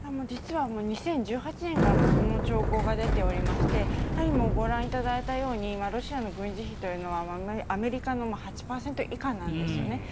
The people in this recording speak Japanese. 実は２０１８年からその兆候が出ていましてご覧いただいたようにロシアの軍事費というのはアメリカの８％以下なんですね。